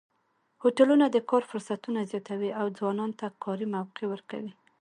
هوټلونه د کار فرصتونه زیاتوي او ځوانانو ته کاري موقع ورکوي.